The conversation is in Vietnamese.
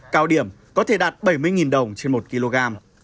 cao điểm có thể đạt bảy mươi đồng trên một kg